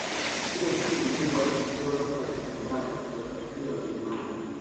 Shule hii ilijengwa na Sewa Haji ambaye aliwapatia Wajerumani